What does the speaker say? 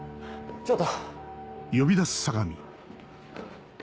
ちょっと。